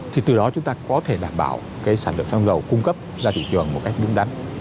thì từ đó chúng ta có thể đảm bảo cái sản lượng xăng dầu cung cấp ra thị trường một cách đúng đắn